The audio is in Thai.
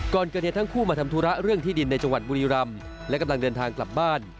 ก่อนเกิดเหตุทั้งคู่มาทำธุระเรื่องที่ดินในจังหวัดบุรีรำและกำลังเดินทางกลับบ้าน